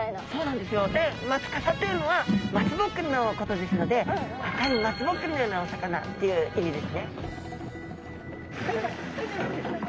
でマツカサというのは松ぼっくりのことですので赤い松ぼっくりのようなお魚っていう意味ですね。